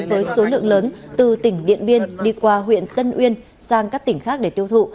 với số lượng lớn từ tỉnh điện biên đi qua huyện tân uyên sang các tỉnh khác để tiêu thụ